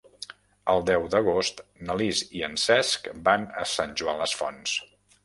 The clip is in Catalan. El deu d'agost na Lis i en Cesc van a Sant Joan les Fonts.